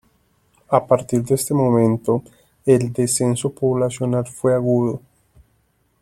A partir de ese momento, el descenso poblacional fue agudo.